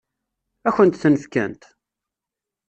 Ad kent-ten-fkent?